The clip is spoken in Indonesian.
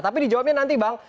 tapi dijawabnya nanti bang